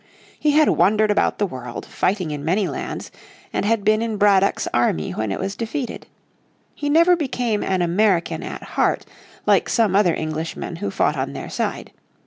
He had wandered about the world, fighting in many lands, and had been in Braddock's army when it was defeated. He never became an American at heart like some other Englishmen who fought on their side.